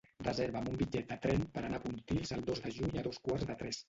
Reserva'm un bitllet de tren per anar a Pontils el dos de juny a dos quarts de tres.